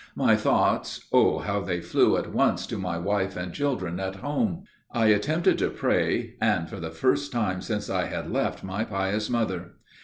My thoughts oh, how they flew at once to my wife and children at home! I attempted to pray, and for the first time since I had left my pious mother.